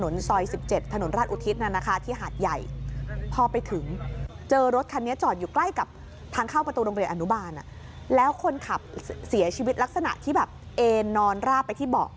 นอนราบไปที่เบาะ